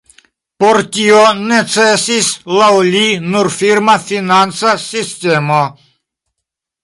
Por tio necesis laŭ li nur firma financa sistemo.